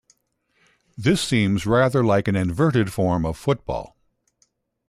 This seems rather like an "inverted" form of football.